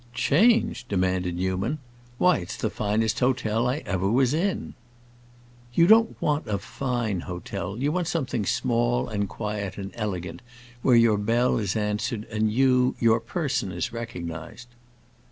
"Change?" demanded Newman. "Why, it's the finest hotel I ever was in." "You don't want a 'fine' hotel; you want something small and quiet and elegant, where your bell is answered and you—your person is recognized."